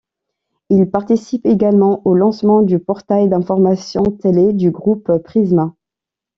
Il participe également au lancement du portail d'information télé du groupe Prisma.